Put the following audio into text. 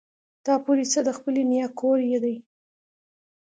تا پورې څه د خپلې نيا کور يې دی.